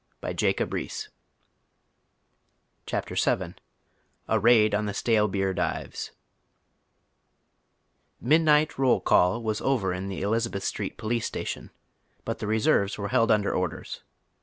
oy Google CHAPTER VIL A RAID ON THE STALE BBEE DIVEa ■jVyflDNIGHT roll eall was over in the Elizabeth Street "' police station, but the reserves were held under order's.